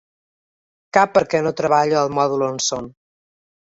Cap perquè no treballo al mòdul on són.